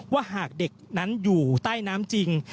ว่าหากเด็กนั้นอยู่ใต้น้ำจริง